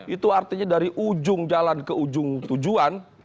itu artinya dari ujung jalan ke ujung tujuan